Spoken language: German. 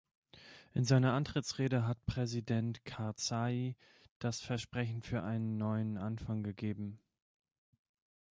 In seiner Antrittsrede hat Präsident Karzai das Versprechen für einen neuen Anfang gegeben.